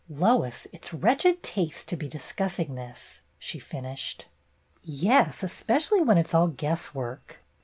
" Lois, it 's wretched taste to be discussing this," she finished. "Yes, especially when it 's all guesswork.